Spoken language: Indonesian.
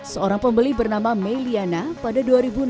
seorang pembeli bernama meliana pada dua ribu enam belas